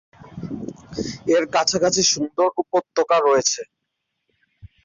এর কাছাকাছি সুন্দর উপত্যকা রয়েছে।